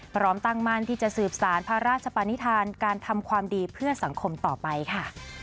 พร้อมตั้งมั่นที่จะสืบสารพระราชปานิษฐานการทำความดีเพื่อสังคมต่อไปค่ะ